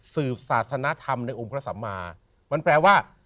ศาสนธรรมในองค์พระสัมมามันแปลว่า